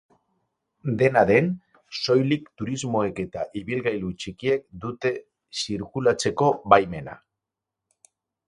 Dena den, soilik turismoek eta ibilgailu txikiek dute zirkulatzeko baimena.